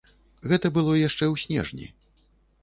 Гэта было яшчэ ў снежні.